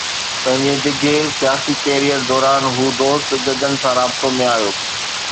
پنهنجي ڊگهي سياسي ڪيريئر دوران هو دوست ججن سان رابطو ۾ آيو.